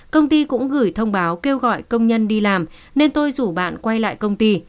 công ty cũng gửi thông báo kêu gọi công nhân đi làm nên tôi rủ bạn quay lại công ty